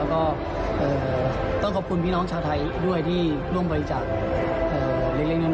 แล้วก็ต้องขอบคุณพี่น้องชาวไทยด้วยที่ร่วมบริจาคเล็กน้อย